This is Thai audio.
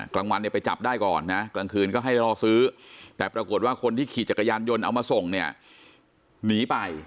กลางวันเนี่ยไปจับได้ก่อนนะกลางคืนก็ให้รอซื้อแต่ปรากฏว่าคนที่ขี่จักรยานยนต์เอามาส่งเนี่ยหนีไป